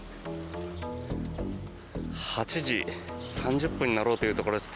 ８時３０分になろうというところです。